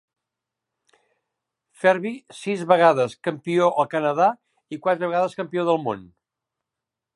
Ferbey sis vegades campió al Canada i quatre vegades campió del món.